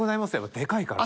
でかいから。